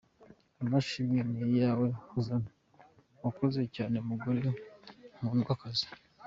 Amashimwe ni ayawe Housnat, wakoze cyane mugore nkundwakaza.